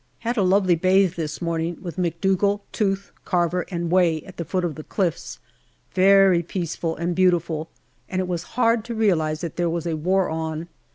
Had a lovely bathe this morning with McDougall, Tooth, Carver, and Way at the foot of the cliffs. Very peaceful and beautiful, and it was hard to realize that there was a war on.